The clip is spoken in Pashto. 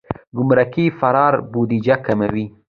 ګمرکي فرار بودیجه کموي.